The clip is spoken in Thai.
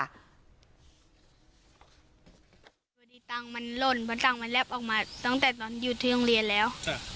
พอดีตังค์มันหล่นเพราะตังค์มันแลบออกมาตั้งแต่ตอนหยุดที่โรงเรียนแล้ว